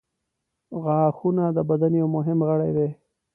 • غاښونه د بدن یو مهم غړی دی.